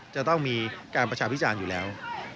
จะต้องมีการประชาพิจารณ์อยู่แล้ว